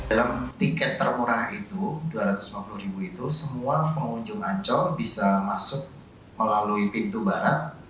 dalam tiket termurah itu dua ratus lima puluh ribu itu semua pengunjung ancol bisa masuk melalui pintu barat